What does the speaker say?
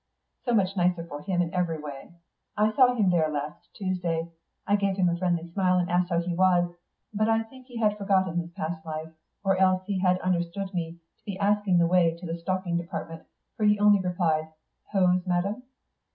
So much nicer for him in every way. I saw him there last Tuesday. I gave him a friendly smile and asked how he was, but I think he had forgotten his past life, or else he had understood me to be asking the way to the stocking department, for he only replied, "Hose, madam?"